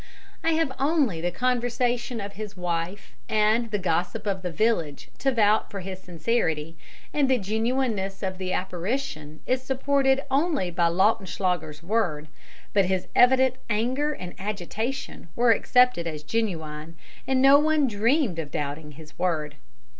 I have only the conversation of his wife and the gossip of the village to vouch for his sincerity, and the genuineness of the apparition is supported only by Lautenschlager's word, but his evident anger and agitation were accepted as genuine, and no one dreamed of doubting his word.